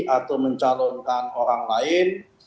atau mencalonkan orang lain